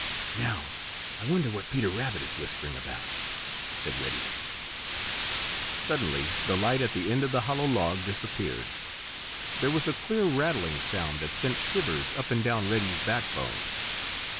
"Now I wonder what Peter Rabbit is whispering about," said Reddy. Suddenly the light at the end of the hollow log disappeared. There was a queer rattling sound that sent shivers up and down Reddy's backbone.